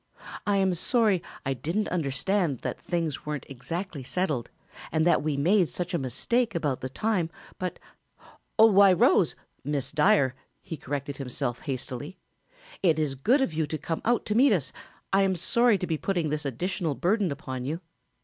I am sorry I didn't understand that things weren't exactly settled and that we made such a mistake about the time, but why, Rose, Miss Dyer," he corrected himself hastily, "it is good of you to come out to meet us, I am sorry to be putting this additional burden upon you."